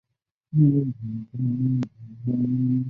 父亲厍狄峙。